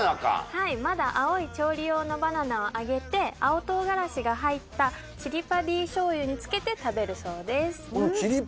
はいまだ青い調理用のバナナを揚げて青とうがらしが入ったチリパディ醤油につけて食べるそうです